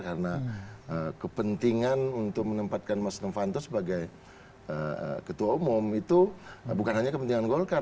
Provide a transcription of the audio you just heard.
karena kepentingan untuk menempatkan mas nofanto sebagai ketua umum itu bukan hanya kepentingan golkar